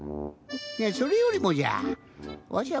それよりもじゃわしゃ